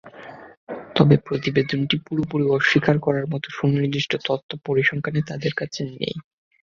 তবে প্রতিবেদনটি পুরোপুরি অস্বীকার করার মতো সুনির্দিষ্ট তথ্য পরিসংখ্যান তাদের কাছে নেই।